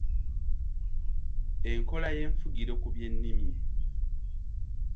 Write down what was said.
Enkola y’enfugiro ku byennimi